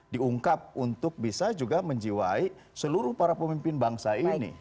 diungkap untuk bisa juga menjiwai seluruh para pemimpin bangsa ini